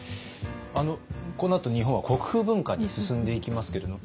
このあと日本は国風文化に進んでいきますけれども。